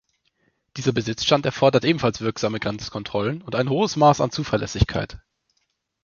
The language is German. Dieser Besitzstand erfordert ebenfalls wirksame Grenzkontrollen und ein hohes Maß an Zuverlässigkeit.